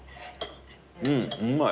うんうまい。